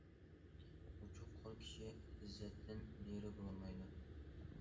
ئوچۇق قول كىشى ئىززەتتىن نېرى بولالمايدۇ.